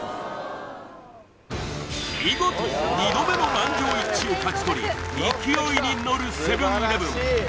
見事２度目の満場一致を勝ち取り勢いに乗るセブン−イレブン